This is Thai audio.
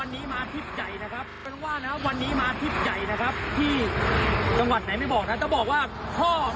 ที่เห็นอยู่ก็คือมดแมลงสาบนะครับ